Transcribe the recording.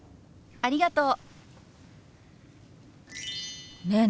ありがとう！